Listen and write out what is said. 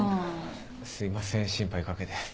すいません心配かけて。